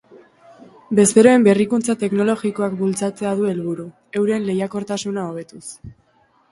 Bezeroen berrikuntza teknologikoak bultzatzea du helburu, euren lehiakortasuna hobetuz.